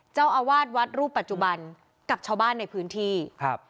เจ้าอาวาสวัดรูปปัจจุบันกับชาวบ้านในพื้นที่ครับ